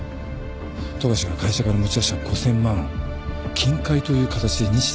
富樫が会社から持ち出した５，０００万を金塊という形で西田に返す。